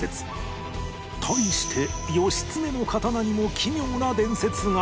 対して義経の刀にも奇妙な伝説が